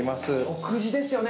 食事ですよね。